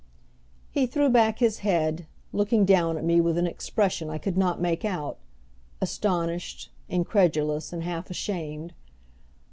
He threw back his head, looking down at me with an expression I could not make out, astonished, incredulous, and half ashamed.